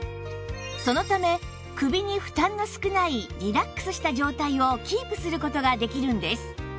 そのため首に負担の少ないリラックスした状態をキープする事ができるんです